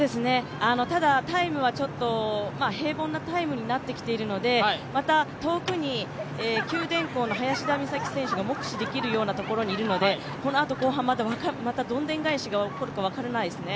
ただタイムは平凡なタイムになってきているので、また遠くに九電工の林田美咲選手が目視できるようなところにいるのでこのあと後半、またどんでん返しが起こるか分からないですね。